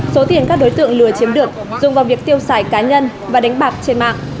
số tiền các đối tượng lừa chiếm được dùng vào việc tiêu xài cá nhân và đánh bạc trên mạng